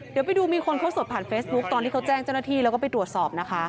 เดี๋ยวไปดูมีคนเขาสดผ่านเฟซบุ๊คตอนที่เขาแจ้งเจ้าหน้าที่แล้วก็ไปตรวจสอบนะคะ